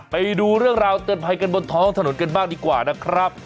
ไปดูเรื่องราวเตือนภัยกันบนท้องถนนกันบ้างดีกว่านะครับ